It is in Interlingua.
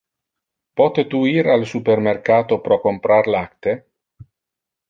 Pote tu ir al supermercato pro comprar lacte?